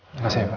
terima kasih pak